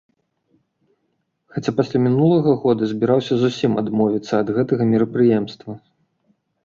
Хаця пасля мінулага года збіраўся зусім адмовіцца ад гэтага мерапрыемства.